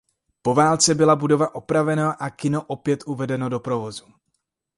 Po válce byla budova opravena a kino opět uvedeno do provozu.